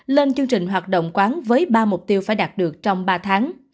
lên chương trình hoạt động quán với ba mục tiêu phải đạt được trong ba tháng